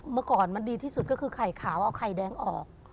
เมื่อก่อนมันดีที่สุดก็คือไข่ขาวเอาไข่แดงออก